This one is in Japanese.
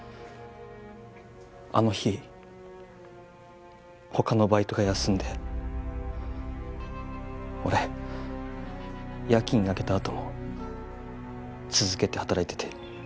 あの日他のバイトが休んで俺夜勤明けたあとも続けて働いてて。